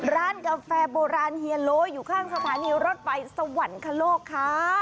ร้านกาแฟโบราณเฮียโลอยู่ข้างสถานีรถไฟสวรรคโลกค่ะ